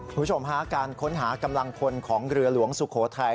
คุณผู้ชมฮะการค้นหากำลังพลของเรือหลวงสุโขทัย